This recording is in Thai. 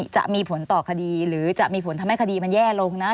จะมีผลต่อคดีหรือจะมีผลทำให้คดีมันแย่ลงนะ